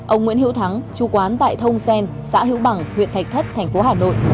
ông nguyễn hữu thắng chú quán tại thông xen xã hữu bằng huyện thạch thất thành phố hà nội